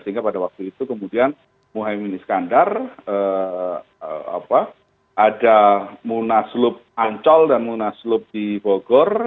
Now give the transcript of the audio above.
sehingga pada waktu itu kemudian muhyiddin iskandar ada munaslub ancol dan munaslub divogor